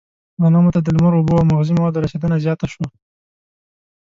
غنمو ته د لمر، اوبو او مغذي موادو رسېدنه زیاته شوه.